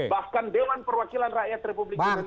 bahkan dewan perwakilan rakyat republik indonesia